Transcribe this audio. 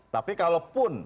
tapi kalau pun